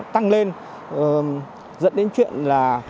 dẫn đến chuyện là